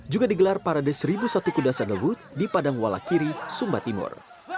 juga digelar parades seribu satu kuda sandalwood di padangwala kiri sumba timur